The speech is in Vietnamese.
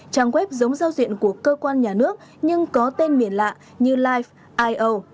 trang web giống giao diện của cơ quan nhà nước nhưng có tên miền lạ như life io